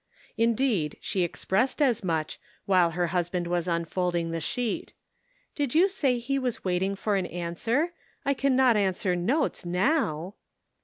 Indeed she expressed as much, while her husband was unfolding the sheet. "Did you say he was waiting for an answer? I can not answer notes now!"